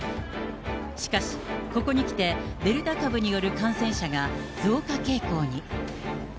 しかし、ここにきて、デルタ株による感染者が増加傾向に。